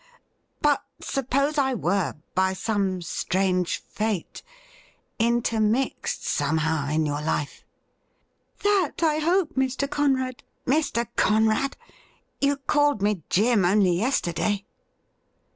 But suppose I were, by some strange fate, intermixed somehow in your life ?''' That, I hope, Mr. Conrad '' Mr. Conrad ! You called me Jim only yesterday.'